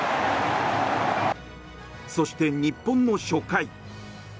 そして、日本の初回。